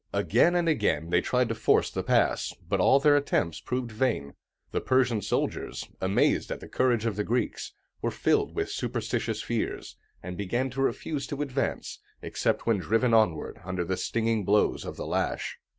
Again and again they tried to force the pass, but all their attempts proved vain. The Persian soldiers, amazed at the courage of the Greeks, were filled with superstitious fears, and began to refuse to advance, except when driven onward under the stinging blows of the lash.